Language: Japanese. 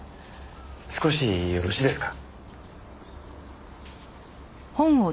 少しよろしいですか？